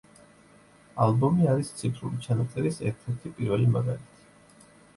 ალბომი არის ციფრული ჩანაწერის ერთ-ერთი პირველი მაგალითი.